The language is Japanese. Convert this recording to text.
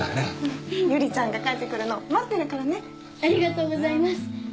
百合ちゃんが帰ってくるの待ってるからねありがとうございます